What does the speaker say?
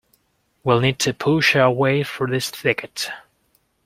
We'll need to push our way through this thicket.